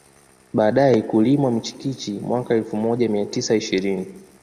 Baadae kulimwa michikichi mwaka elfu moja mia tisa ishirini